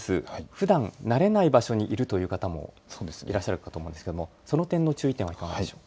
ふだん、慣れない場所にいるという方もいらっしゃるかと思うんですけれどもその点の注意点はいかがでしょう。